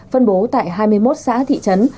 phân bố tại hai mươi một xã thị trấn